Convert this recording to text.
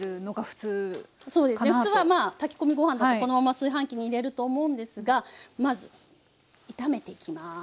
普通は炊き込みご飯だとこのまま炊飯器に入れると思うんですがまず炒めていきます。